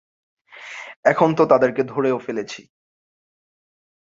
এখন তো তাদেরকে ধরেও ফেলেছি।